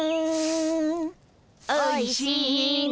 「おいしいな」